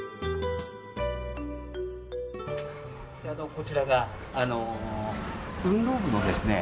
こちらがあの運動部のですね